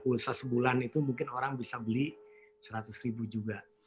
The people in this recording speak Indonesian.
pulsa sebulan itu mungkin orang bisa beli seratus ribu